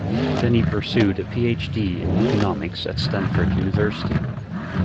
He then pursued a Ph.D. in Economics at Stanford University.